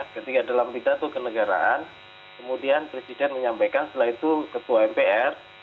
ketika dalam pidato kenegaraan kemudian presiden menyampaikan setelah itu ketua mpr